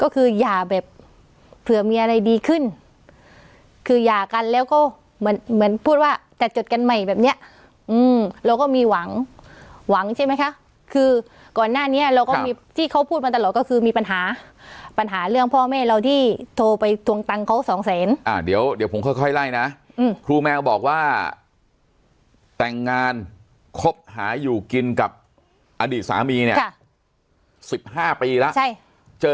ก็คืออย่าแบบเผื่อมีอะไรดีขึ้นคือหย่ากันแล้วก็เหมือนเหมือนพูดว่าจัดจดกันใหม่แบบเนี้ยอืมเราก็มีหวังหวังใช่ไหมคะคือก่อนหน้านี้เราก็มีที่เขาพูดมาตลอดก็คือมีปัญหาปัญหาเรื่องพ่อแม่เราที่โทรไปทวงตังค์เขาสองแสนอ่าเดี๋ยวเดี๋ยวผมค่อยค่อยไล่นะครูแมวบอกว่าแต่งงานคบหาอยู่กินกับอดีตสามีเนี่ยค่ะสิบห้าปีแล้วใช่เจอ